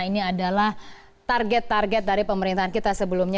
ini adalah target target dari pemerintahan kita sebelumnya